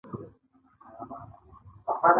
کيداريان يې ختيځ لوري ته وشړل